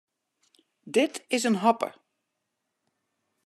Dit is in hoppe.